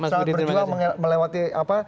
sangat berjualan melewati